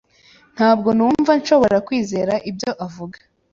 Ntabwo numva nshobora kwizera ibyo avuga.